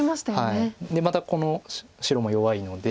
でまだこの白も弱いので。